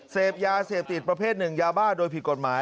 เสพยาเสพติดประเภทหนึ่งยาบ้าโดยผิดกฎหมาย